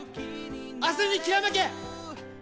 明日にきらめけ！